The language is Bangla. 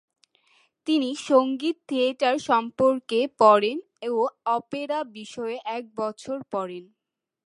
তিনি সংগীত থিয়েটার সম্পর্কে পড়েন ও অপেরা বিষয়ে এক বছর পড়েন।